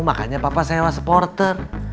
makanya papa sewa supporter